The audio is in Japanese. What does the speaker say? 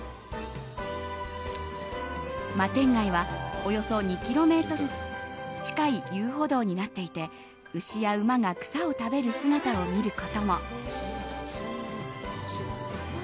摩天崖は、およそ２ｋｍ近い遊歩道になっていて牛や馬が草を食べる姿を見ることも。